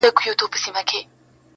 شېرین عُمر چي تېرېږي درېغه درېغه